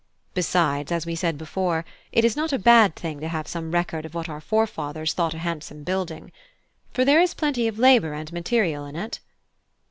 Besides, as we said before, it is not a bad thing to have some record of what our forefathers thought a handsome building. For there is plenty of labour and material in it."